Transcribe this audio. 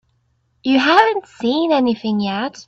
You haven't seen anything yet.